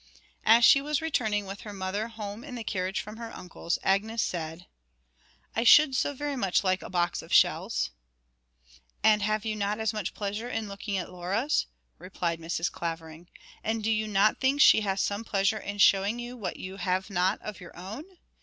As she was returning with her mother home in the carriage from her uncle's, Agnes said: 'I should so very much like a box of shells.' 'And have you not as much pleasure in looking at Laura's?' replied Mrs. Clavering. 'And do you not think she has some pleasure in showing you what you have not of your own?